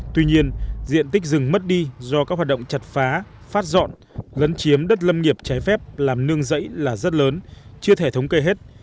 tuy nhiên diện tích rừng mất đi do các hoạt động chặt phá phát dọn lấn chiếm đất lâm nghiệp trái phép làm nương rẫy là rất lớn chưa thể thống kê hết